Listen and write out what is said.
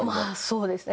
そうですね。